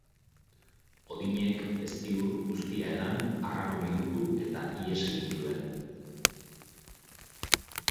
Odinek, ezti-ur guztia edan, arrano bihurtu eta ihes egin zuen.